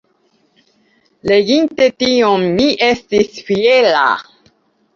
Leginte tion mi estis fiera.